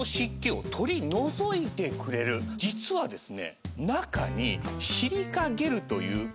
実はですね中に。